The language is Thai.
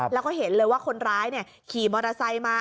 แล้วก็เห็นเลยว่าคนร้ายขี่มอเตอร์ไซค์มา